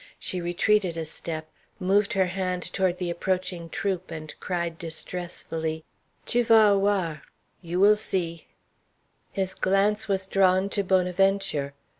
She retreated a step, moved her hand toward the approaching troop, and cried distressfully: "Tu va oère!" "You will see!" His glance was drawn to Bonaventure.